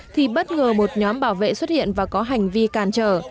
thì bất ngờ một nhóm bảo vệ xuất hiện và có hành vi cản trở